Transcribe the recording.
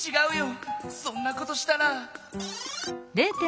そんなことしたら。